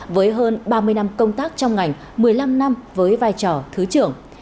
với hơn ba mươi năm công tác trong ngành một mươi năm năm với vai trò thứ trưởng